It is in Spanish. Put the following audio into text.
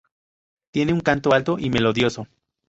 Tiene un canto alto y melodioso.